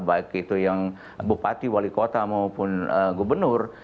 baik itu yang bupati wali kota maupun gubernur